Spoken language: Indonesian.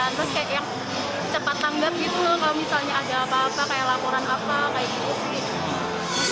terus kayak yang cepat tanggap gitu kalau misalnya ada apa apa kayak laporan apa kayak gitu gitu